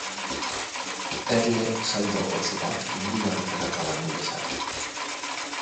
Erle saldo oso bat inguruan hegaka banu bezala.